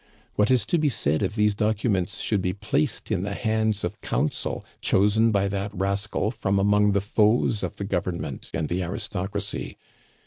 What is to be said if these documents should be placed in the hands of counsel chosen by that rascal from among the foes of the government and the aristocracy!